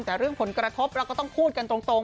แต่เรื่องผลกระทบเราก็ต้องพูดกันตรง